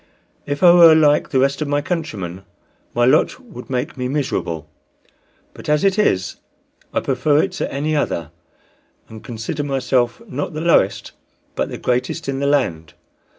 If I were like the rest of my countrymen, my lot would make me miserable; but as it is I prefer it to any other, and consider myself not the lowest but the greatest in the land.